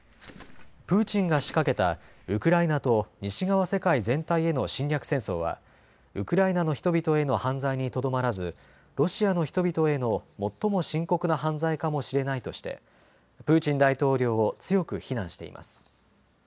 プーチンが仕掛けたウクライナと西側世界全体への侵略戦争はウクライナの人々への犯罪にとどまらずロシアの人々への最も深刻な犯罪かもしれないとしてプーチン大統領を強く非難しています。